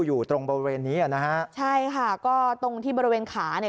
อยู่ตรงบริเวณนี้อ่ะนะฮะใช่ค่ะก็ตรงที่บริเวณขาเนี่ย